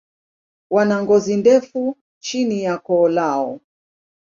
Wana ngozi ndefu chini ya koo lao.